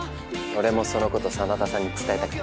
俺もその事真田さんに伝えたくて。